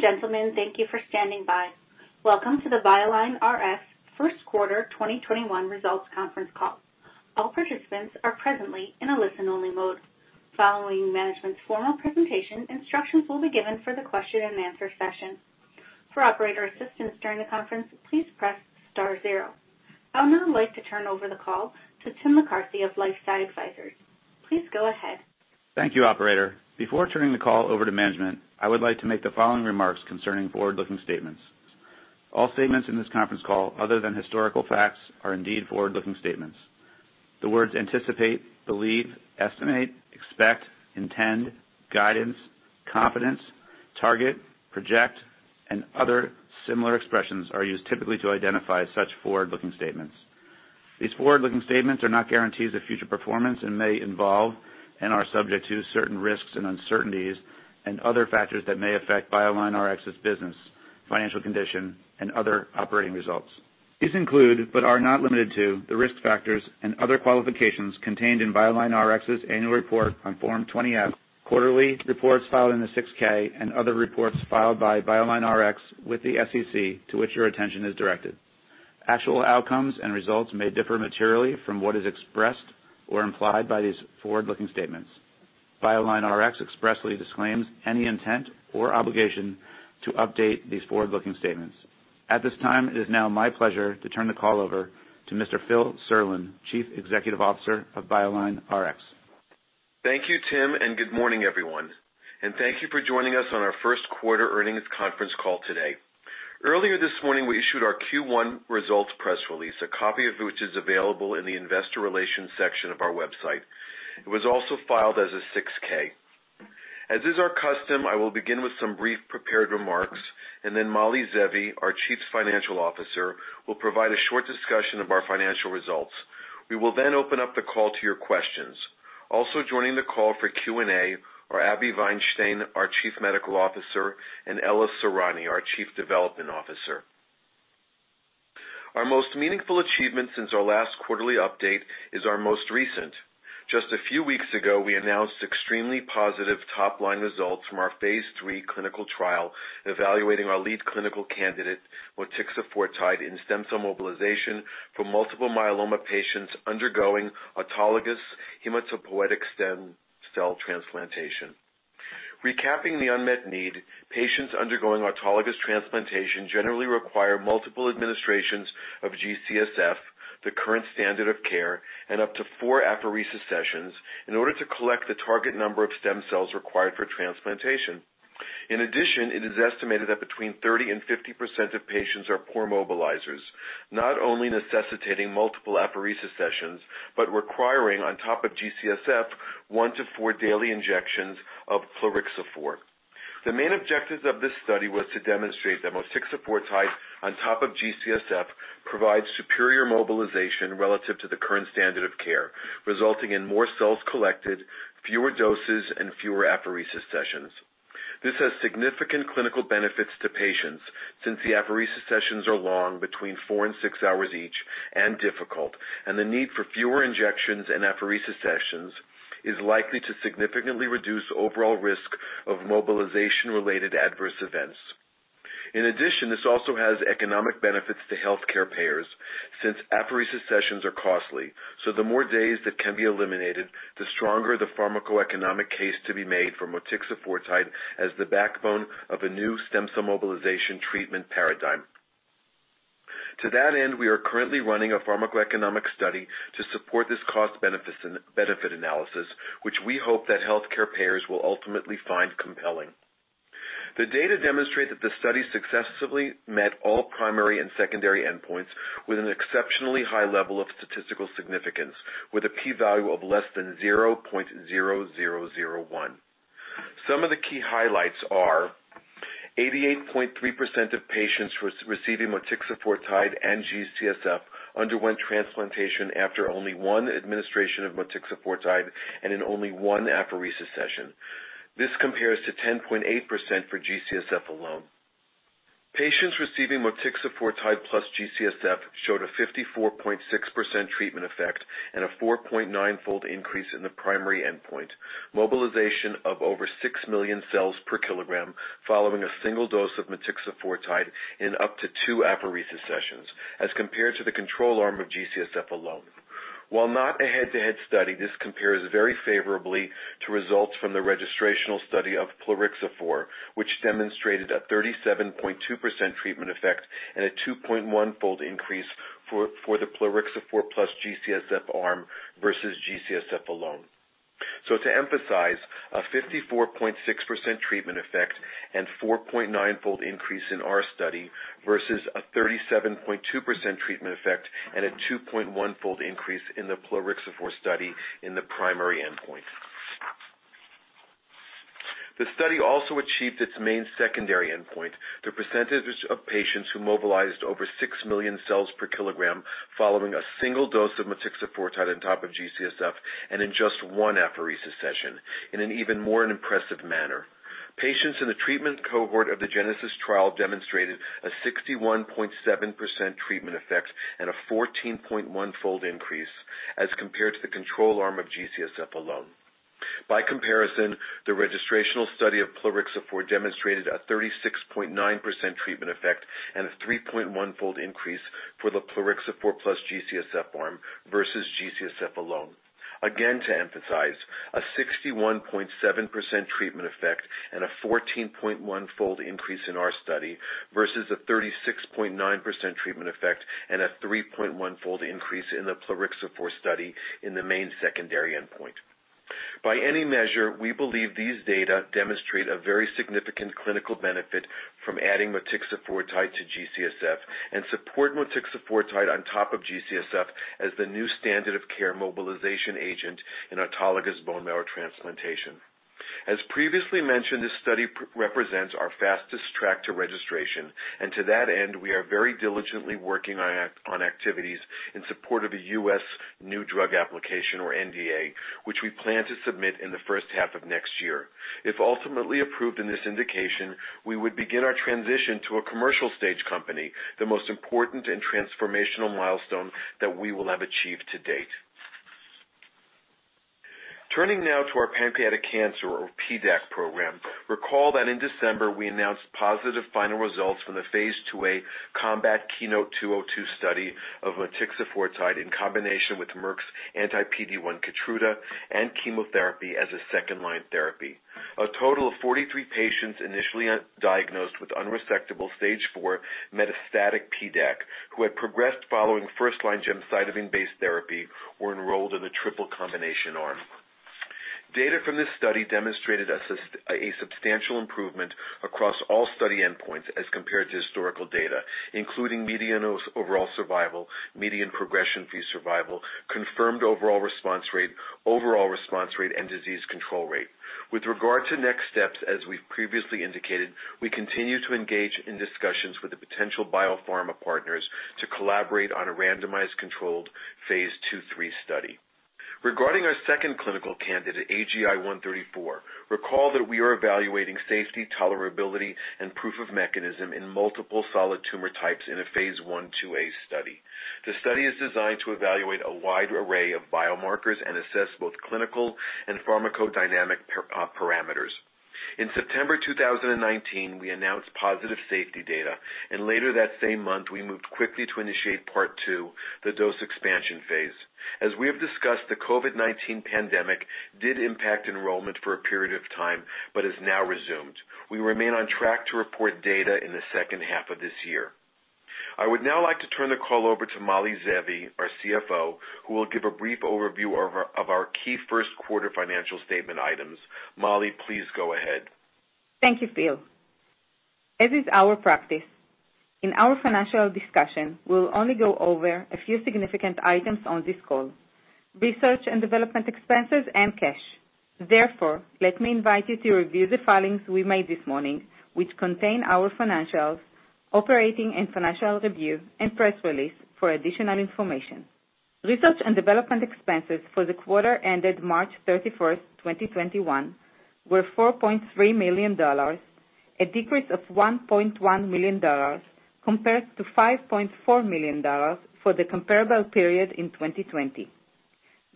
Ladies and gentlemen, thank you for standing by. Welcome to the BioLineRx first quarter 2021 results conference call. All participants are presently in a listen-only mode. Following management's formal presentation, instructions will be given for the question and answer session. For operator assistance during the conference, please press star zero. I would now like to turn over the call to Tim McCarthy of LifeSci Advisors. Please go ahead. Thank you, operator. Before turning the call over to management, I would like to make the following remarks concerning forward-looking statements. All statements in this conference call, other than historical facts, are indeed forward-looking statements. The words anticipate, believe, estimate, expect, intend, guidance, confidence, target, project, and other similar expressions are used typically to identify such forward-looking statements. These forward-looking statements are not guarantees of future performance and may involve, and are subject to, certain risks and uncertainties and other factors that may affect BioLineRx's business, financial condition, and other operating results. These include, but are not limited to, the risk factors and other qualifications contained in BioLineRx's annual report on Form 20-F, quarterly reports filed in the 6-K, and other reports filed by BioLineRx with the SEC to which your attention is directed. Actual outcomes and results may differ materially from what is expressed or implied by these forward-looking statements. BioLineRx expressly disclaims any intent or obligation to update these forward-looking statements. At this time, it is now my pleasure to turn the call over to Mr. Phil Serlin, Chief Executive Officer of BioLineRx. Thank you, Tim. Good morning, everyone, and thank you for joining us on our first quarter earnings conference call today. Earlier this morning, we issued our Q1 results press release, a copy of which is available in the investor relations section of our website. It was also filed as a 6-K. As is our custom, I will begin with some brief prepared remarks. Then Mali Zeevi, our Chief Financial Officer, will provide a short discussion of our financial results. We will then open up the call to your questions. Also joining the call for Q&A are Abi Vainstein-Haras, our Chief Medical Officer, and Ella Sorani, our Chief Development Officer. Our most meaningful achievement since our last quarterly update is our most recent. Just a few weeks ago, we announced extremely positive top-line results from our phase III clinical trial evaluating our lead clinical candidate, motixafortide, in stem cell mobilization for multiple myeloma patients undergoing autologous hematopoietic stem cell transplantation. Recapping the unmet need, patients undergoing autologous transplantation generally require multiple administrations of G-CSF, the current standard of care, and up to four apheresis sessions in order to collect the target number of stem cells required for transplantation. In addition, it is estimated that between 30% and 50% of patients are poor mobilizers, not only necessitating multiple apheresis sessions, but requiring, on top of G-CSF, one to four daily injections of plerixafor. The main objective of this study was to demonstrate that motixafortide on top of G-CSF provides superior mobilization relative to the current standard of care, resulting in more cells collected, fewer doses, and fewer apheresis sessions. This has significant clinical benefits to patients since the apheresis sessions are long, between four and six hours each, and difficult, and the need for fewer injections and apheresis sessions is likely to significantly reduce overall risk of mobilization-related adverse events. In addition, this also has economic benefits to healthcare payers since apheresis sessions are costly. The more days that can be eliminated, the stronger the pharmacoeconomic case to be made for motixafortide as the backbone of a new stem cell mobilization treatment paradigm. To that end, we are currently running a pharmacoeconomic study to support this cost benefit analysis, which we hope that healthcare payers will ultimately find compelling. The data demonstrate that the study successfully met all primary and secondary endpoints with an exceptionally high level of statistical significance, with a key value of less than 0.0001. Some of the key highlights are 88.3% of patients receiving motixafortide and G-CSF underwent transplantation after only one administration of motixafortide and in only one apheresis session. This compares to 10.8% for G-CSF alone. Patients receiving motixafortide plus G-CSF showed a 54.6% treatment effect and a 4.9-fold increase in the primary endpoint, mobilization of over 6 million cells per kilogram following a single dose of motixafortide in up to two apheresis sessions, as compared to the control arm of G-CSF alone. While not a head-to-head study, this compares very favorably to results from the registrational study of plerixafor, which demonstrated a 37.2% treatment effect and a 2.1-fold increase for the plerixafor plus G-CSF arm versus G-CSF alone. To emphasize, a 54.6% treatment effect and 4.9-fold increase in our study versus a 37.2% treatment effect and a 2.1-fold increase in the plerixafor study in the primary endpoint. The study also achieved its main secondary endpoint, the percentage of patients who mobilized over 6 million cells per kilogram following a single dose of motixafortide on top of G-CSF and in just one apheresis session, in an even more impressive manner. Patients in the treatment cohort of the GENESIS trial demonstrated a 61.7% treatment effect and a 14.1-fold increase as compared to the control arm of G-CSF alone. By comparison, the registrational study of plerixafor demonstrated a 36.9% treatment effect and a 3.1-fold increase for the plerixafor plus G-CSF arm versus G-CSF alone. Again, to emphasize, a 61.7% treatment effect and a 14.1-fold increase in our study versus a 36.9% treatment effect and a 3.1-fold increase in the plerixafor study in the main secondary endpoint. By any measure, we believe these data demonstrate a very significant clinical benefit from adding motixafortide to G-CSF and support motixafortide on top of G-CSF as the new standard of care mobilization agent in autologous bone marrow transplantation. As previously mentioned this study represent our first distractor registration. To that end, we are very diligently working on activities in support of a U.S. New Drug Application, or NDA, which we plan to submit in the first half of next year. If ultimately approved in this indication, we would begin our transition to a commercial stage company, the most important and transformational milestone that we will have achieved to date. Turning now to our pancreatic cancer, or PDAC program. Recall that in December we announced positive final results from the phase IIa COMBAT/KEYNOTE-202 study of motixafortide in combination with Merck's anti-PD-1 KEYTRUDA and chemotherapy as a second-line therapy. A total of 43 patients initially diagnosed with unresectable Stage 4 metastatic PDAC who had progressed following first-line gemcitabine-based therapy were enrolled in the triple combination arm. Data from this study demonstrated a substantial improvement across all study endpoints as compared to historical data, including median overall survival, median progression-free survival, confirmed overall response rate, overall response rate, and disease control rate. With regard to next steps, as we've previously indicated, we continue to engage in discussions with the potential biopharma partners to collaborate on a randomized controlled phase II-III study. Regarding our second clinical candidate, AGI-134, recall that we are evaluating safety, tolerability, and proof of mechanism in multiple solid tumor types in a phase I-IIA study. The study is designed to evaluate a wide array of biomarkers and assess both clinical and pharmacodynamic parameters. In September 2019, we announced positive safety data, and later that same month, we moved quickly to initiate Part 2, the dose expansion phase. As we have discussed, the COVID-19 pandemic did impact enrollment for a period of time, but has now resumed. We remain on track to report data in the second half of this year. I would now like to turn the call over to Mali Zeevi, our CFO, who will give a brief overview of our key first quarter financial statement items. Mali, please go ahead. Thank you, Phil. As is our practice, in our financial discussion, we'll only go over a few significant items on this call, research and development expenses and cash. Let me invite you to review the filings we made this morning, which contain our financials, operating and financial reviews, and press release for additional information. Research and development expenses for the quarter ended March 31st, 2021, were $4.3 million, a decrease of $1.1 million compared to $5.4 million for the comparable period in 2020.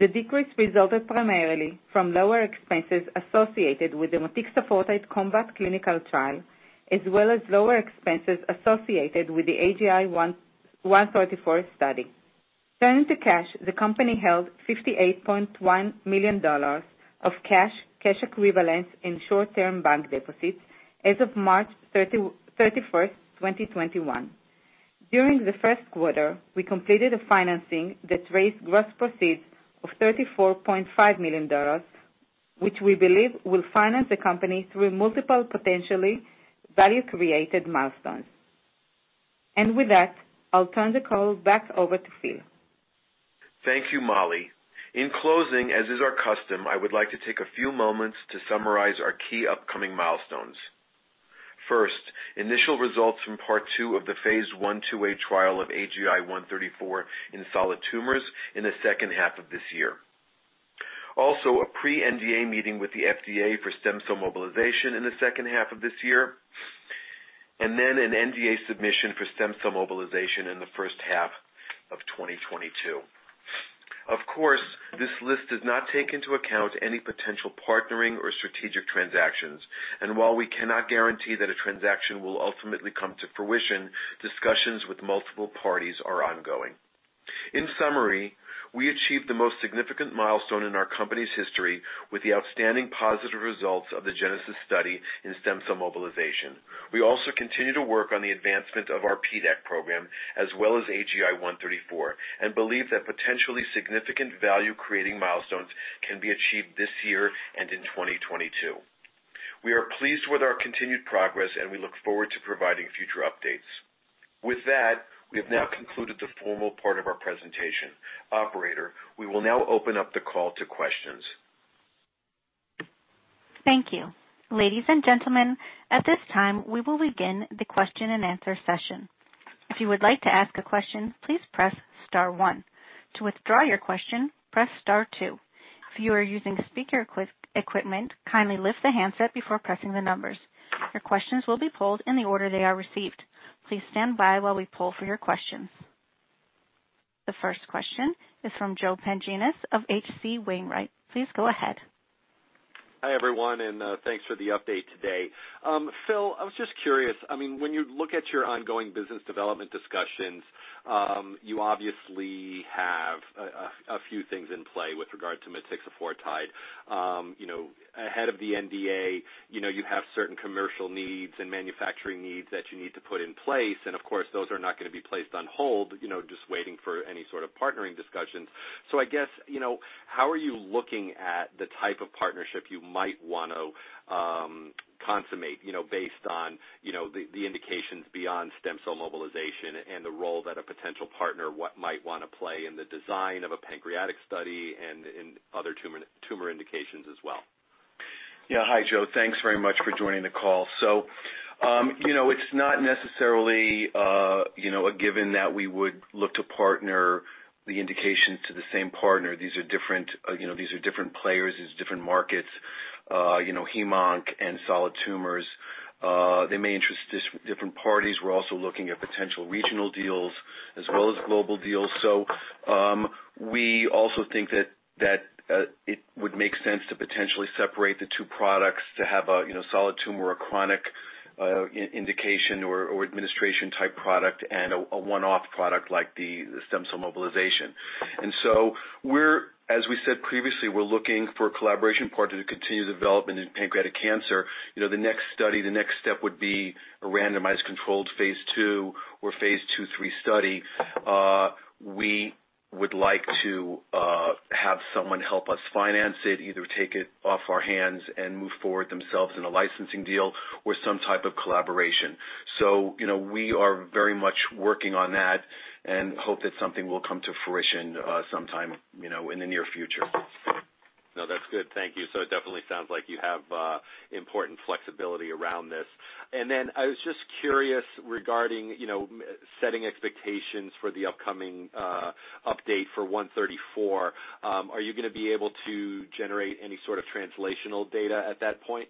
The decrease resulted primarily from lower expenses associated with the motixafortide COMBAT clinical trial, as well as lower expenses associated with the AGI-134 study. Turning to cash, the company held $58.1 million of cash equivalents, and short-term bank deposits as of March 31st, 2021. During the first quarter, we completed a financing that raised gross proceeds of $34.5 million, which we believe will finance the company through multiple potentially value-created milestones. With that, I'll turn the call back over to Phil. Thank you, Mali. In closing, as is our custom, I would like to take a few moments to summarize our key upcoming milestones. First, initial results from Part 2 of the Phase I/II-A trial of AGI-134 in solid tumors in the second half of this year. Also, a pre-NDA meeting with the FDA for stem cell mobilization in the second half of this year, and then an NDA submission for stem cell mobilization in the first half of 2022. Of course, this list does not take into account any potential partnering or strategic transactions, and while we cannot guarantee that a transaction will ultimately come to fruition, discussions with multiple parties are ongoing. In summary, we achieved the most significant milestone in our company's history with the outstanding positive results of the GENESIS study in stem cell mobilization. We also continue to work on the advancement of our PDAC program, as well as AGI-134, and believe that potentially significant value-creating milestones can be achieved this year and in 2022. We are pleased with our continued progress, and we look forward to providing future updates. With that, we have now concluded the formal part of our presentation. Operator, we will now open up the call to questions. Thank you. Ladies and gentlemen, at this time, we will begin the question and answer session. If you would like to ask a question, please press star one. To withdraw your question, press star two. If you are using the speaker equipment, kindly lift the handset before pressing the numbers. Your questions will be pulled in the order they are received. Please stand by while we pull for your questions. The first question is from Joe Pantginis of H.C. Wainwright. Please go ahead. Hi, everyone, thanks for the update today. Phil, I was just curious, when you look at your ongoing business development discussions, you obviously have a few things in play with regard to motixafortide. Ahead of the NDA, you have certain commercial needs and manufacturing needs that you need to put in place, and of course, those are not going to be placed on hold, just waiting for any sort of partnering discussions. I guess, how are you looking at the type of partnership you might want to consummate, based on the indications beyond stem cell mobilization and the role that a potential partner might want to play in the design of a pancreatic study and in other tumor indications as well? Yeah. Hi, Joe. Thanks very much for joining the call. It's not necessarily a given that we would look to partner the indication to the same partner. These are different players, these are different markets, heme/onc and solid tumors. They may interest different parties. We're also looking at potential regional deals as well as global deals. We also think that it would make sense to potentially separate the two products to have a solid tumor, a chronic indication or administration-type product, and a one-off product like the stem cell mobilization. As we said previously, we're looking for a collaboration partner to continue development in pancreatic cancer. The next study, the next step would be a randomized controlled phase II or phase II/III study. We would like to have someone help us finance it, either take it off our hands and move forward themselves in a licensing deal or some type of collaboration. We are very much working on that and hope that something will come to fruition sometime in the near future. No, that's good. Thank you. It definitely sounds like you have important flexibility around this. I was just curious regarding setting expectations for the upcoming update for 134. Are you going to be able to generate any sort of translational data at that point?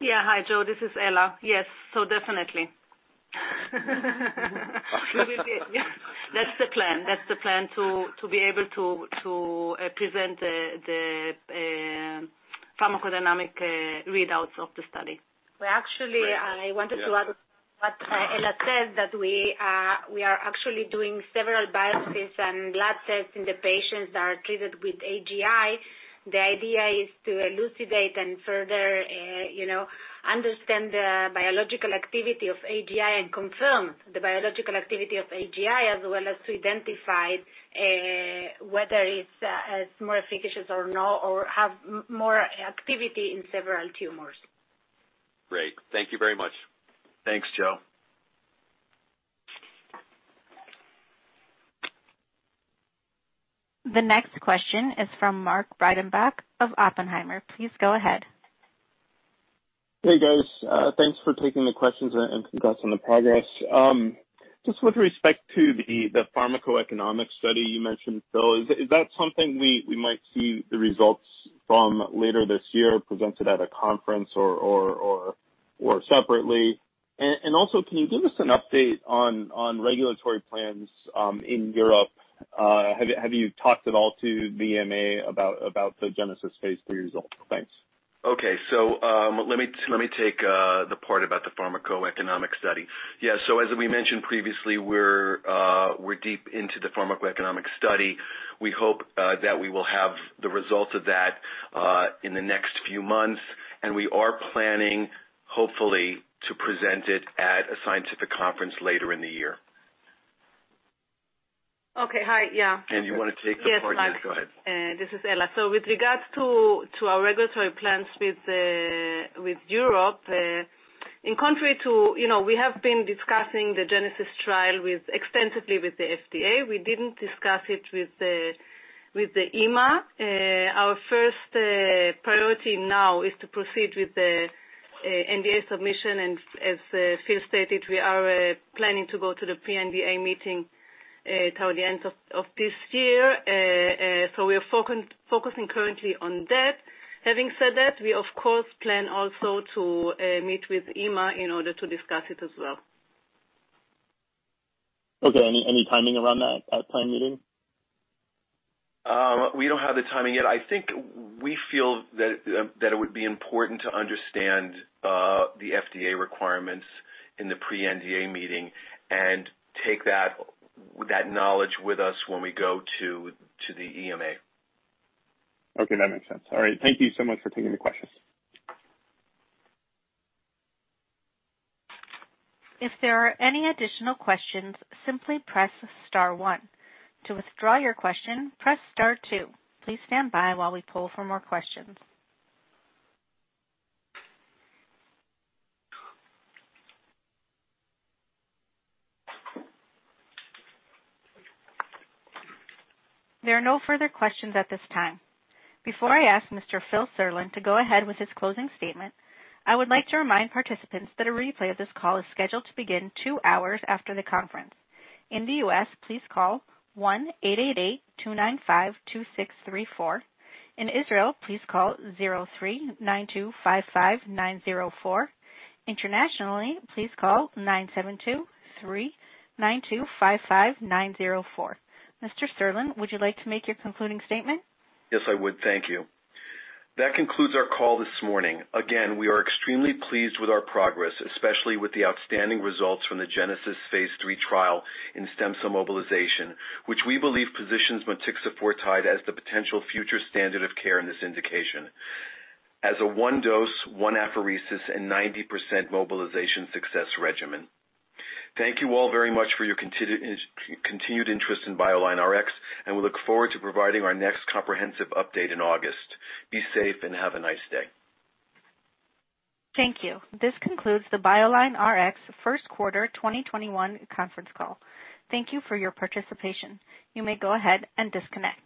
Yeah. Hi, Joe. This is Ella. Yes, definitely. That's the plan to be able to present the pharmacodynamic readouts of the study. Actually, I wanted to add to what Ella said, that we are actually doing several biopsies and blood tests in the patients that are treated with AGI. The idea is to elucidate and further understand the biological activity of AGI and confirm the biological activity of AGI, as well as to identify whether it's more efficacious or no, or have more activity in several tumors. Great. Thank you very much. Thanks, Joe. The next question is from Mark Breidenbach of Oppenheimer. Please go ahead. Hey, guys. Thanks for taking the questions and congrats on the progress. Just with respect to the pharmacoeconomic study you mentioned, Phil, is that something we might see the results from later this year presented at a conference or separately? Also, can you give us an update on regulatory plans in Europe? Have you talked at all to the EMA about the GENESIS phase III result? Thanks. Okay. Let me take the part about the pharmacoeconomic study. Yeah. As we mentioned previously, we're deep into the pharmacoeconomic study. We hope that we will have the results of that in the next few months, and we are planning, hopefully, to present it at a scientific conference later in the year. Okay. Hi. Yeah. Do you want to take the part? Yes. Go ahead. This is Ella. With regards to our regulatory plans with Europe, we have been discussing the GENESIS trial extensively with the FDA. We didn't discuss it with the EMA. Our first priority now is to proceed with the NDA submission, and as Phil stated, we are planning to go to the pre-NDA meeting toward the end of this year. We are focusing currently on that. Having said that, we, of course, plan also to meet with EMA in order to discuss it as well. Okay. Any timing around that planned meeting? We don't have the timing yet. I think we feel that it would be important to understand the FDA requirements in the pre-NDA meeting and take that knowledge with us when we go to the EMA. Okay, that makes sense. All right. Thank you so much for taking the questions. If there are any additional questions simply press star one. To withdraw your question press star two. Please standby while we pull for more questions. There are no further questions at this time. Before I ask Mr. Phil Serlin to go ahead with his closing statement, I would like to remind participants that a replay of this call is scheduled to begin two hours after the conference. In the U.S. please call 188-295-2634. In Israel please call 039-255-904.Internationally please call 972-3-9255-904 Mr. Serlin, would you like to make your concluding statement? Yes, I would. Thank you. That concludes our call this morning. Again, we are extremely pleased with our progress, especially with the outstanding results from the GENESIS phase III trial in stem cell mobilization, which we believe positions motixafortide as the potential future standard of care in this indication as a one dose, one apheresis, and 90% mobilization success regimen. Thank you all very much for your continued interest in BioLineRx, and we look forward to providing our next comprehensive update in August. Be safe and have a nice day. Thank you. This concludes the BioLineRx first quarter 2021 conference call. Thank you for your participation. You may go ahead and disconnect.